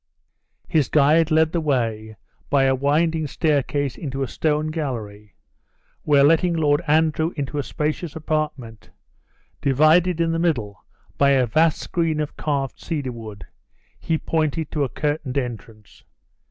His guide led the way by a winding staircase into a stone gallery, where letting Lord Andrew into a spacious apartment, divided in the midst by a vast screen of carved cedar wood, he pointed to a curtained entrance.